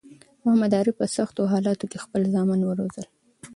محمد عارف په سختو حالاتو کی خپل زامن وروزل